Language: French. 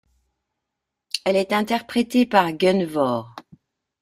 Elle est interprétée par Gunvor.